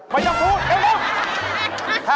ไม่จะพูดเดี๋ยวเขา